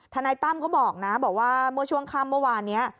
นายตั้มเขาบอกนะบอกว่าเมื่อช่วงค่ำเมื่อวานนี้